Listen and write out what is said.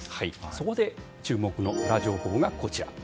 そこで注目のウラ情報がこちら。